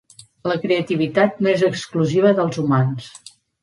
La creativitat no és exclusiva dels humans.